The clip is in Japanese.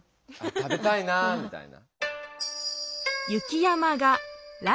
「食べたいな」みたいな？